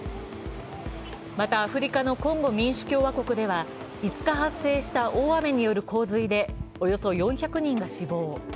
また、アフリカのコンゴ民主共和国では５日発生した大雨による洪水で、およそ４００人が死亡。